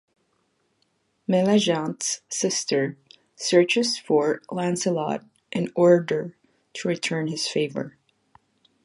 Meleagant's sister searches for Lancelot in order to return his favor.